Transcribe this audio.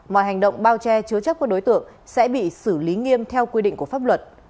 mọi hành động bao che chứa chấp của đối tượng sẽ bị xử lý nghiêm theo quy định của pháp luật